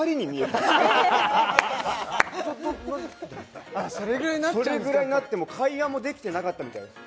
ちょっちょっとそれぐらいになって会話もできてなかったみたいです